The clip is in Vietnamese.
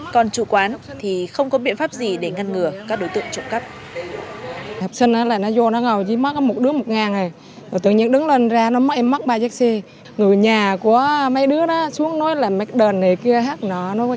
còn chủ quán thì không có biện pháp gì để ngăn ngừa các đối tượng trụ cấp